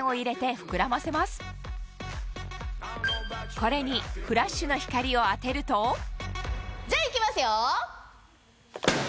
これにフラッシュの光を当てるとじゃあいきますよ。